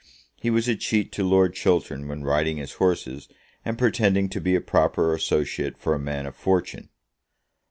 He was a cheat to Lord Chiltern when riding his horses, and pretending to be a proper associate for a man of fortune.